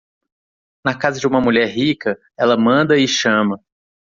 Na casa de uma mulher rica, ela manda e chama.